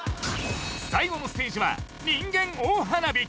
最後のステージは人間大花火